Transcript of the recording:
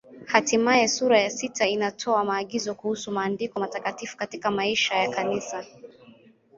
Hatimaye sura ya sita inatoa maagizo kuhusu Maandiko Matakatifu katika maisha ya Kanisa.